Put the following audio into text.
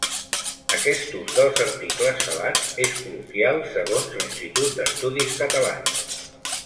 Aquest ús dels articles salats és col·loquial segons l'Institut d'Estudis Catalans.